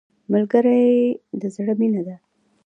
ملګری د زړه مینه ده